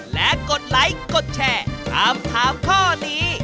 และกดไลค์กดแชร์ถามถามข้อนี้